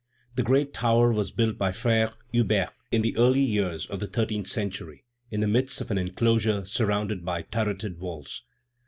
The great tower was built by Frère Hubert, in the early years of the thirteenth century, in the midst of an enclosure surrounded by turreted walls.